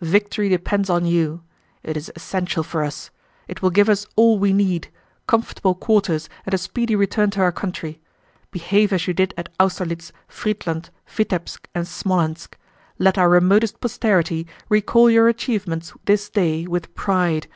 Victory depends on you. It is essential for us; it will give us all we need: comfortable quarters and a speedy return to our country. Behave as you did at Austerlitz, Friedland, Vítebsk, and Smolénsk. Let our remotest posterity recall your achievements this day with pride.